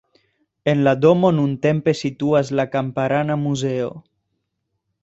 En la domo nuntempe situas la kamparana muzeo.